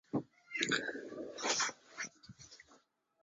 在礁群与海岸之间是一条极方便的交通海路。